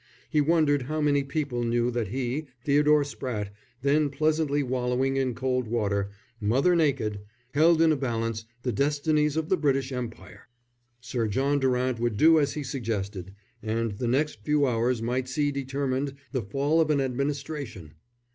He wondered how many people knew that he, Theodore Spratte, then pleasantly wallowing in cold water, mother naked, held as in a balance the destinies of the British Empire. Sir John Durant would do as he suggested, and the next few hours might see determined the fall of an administration.